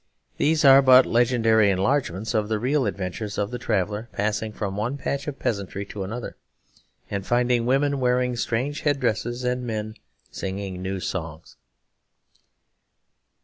These are but legendary enlargements of the real adventures of a traveller passing from one patch of peasantry to another, and finding women wearing strange head dresses and men singing new songs.